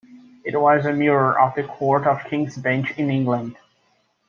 It was a mirror of the Court of King's Bench in England.